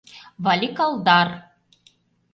— Валик-Алдар!